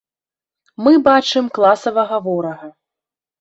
Мы бачым класавага ворага.